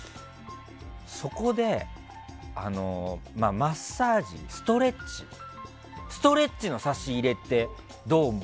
そこでストレッチの差し入れってどう思う？